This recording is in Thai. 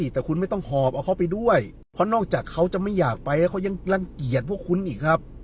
แต่คุณไม่ต้องหอบเอาเขาไปด้วยเพราะนอกจากเขาจะไม่อยากไปแล้วเขายังรังเกียจพวกคุณอีกครับ